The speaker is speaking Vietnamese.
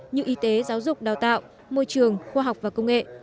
như y tế giáo dục đào tạo môi trường khoa học và công nghệ